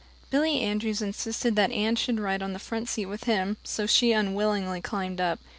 Billy Andrews insisted that Anne should ride on the front seat with him, so she unwillingly climbed up.